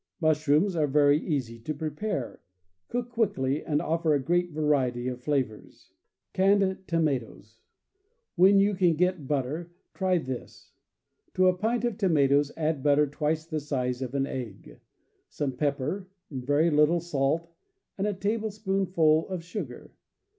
Mushrooms are very easy to prepare, cook quickly, and offer a great variety of flavors. Canned Tomatoes. — When you can get butter, try this: To a pint of tomatoes add butter twice the size of an egg, some pepper, very little salt, and a table spoonful of sugar.